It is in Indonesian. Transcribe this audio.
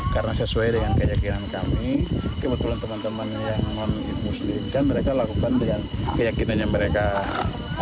karena sesuai dengan keyakinan kami kebetulan teman teman yang non muslim kan mereka lakukan dengan keyakinannya mereka